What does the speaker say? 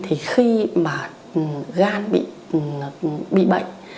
thì khi mà gan bị bệnh